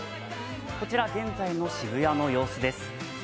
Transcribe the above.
こちら現在の渋谷の様子です。